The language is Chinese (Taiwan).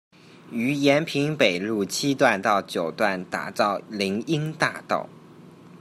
於延平北路七段到九段打造林蔭大道